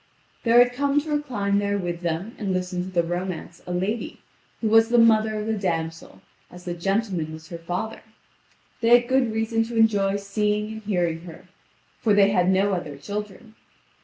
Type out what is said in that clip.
There had come to recline there with them and listen to the romance a lady, who was the mother of the damsel, as the gentleman was her father; they had good reason to enjoy seeing and hearing her, for they had no other children.